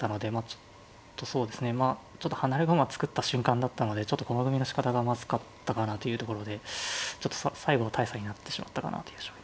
ちょっとそうですねまあちょっと離れ駒作った瞬間だったのでちょっと駒組みのしかたがまずかったかなっていうところでちょっと最後の大差になってしまったかなという将棋でしたね。